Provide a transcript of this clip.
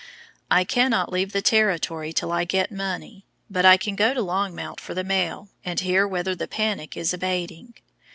I cannot leave the Territory till I get money, but I can go to Longmount for the mail and hear whether the panic is abating.